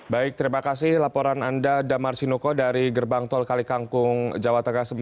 baik terima kasih laporan anda damar sinuko dari gerbang tol kali kangkung jawa tengah